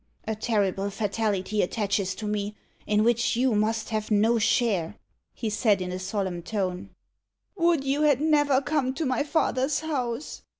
"A terrible fatality attaches to me, in which you must have no share," he said, in a solemn tone. "Would you had never come to my father's house!"